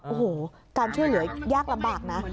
โอ้โหการช่วยเหลือยากลำบากนะ